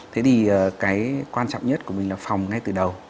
thế thì cái quan trọng nhất của mình là phòng ngay từ đầu